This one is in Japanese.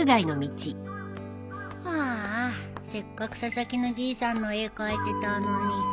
ああせっかく佐々木のじいさんの絵描いてたのに。